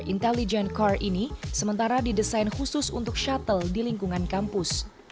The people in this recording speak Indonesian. intelligent car ini sementara didesain khusus untuk shuttle di lingkungan kampus